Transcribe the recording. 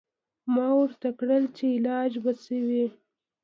ما ورته کړه چې علاج به څه وي.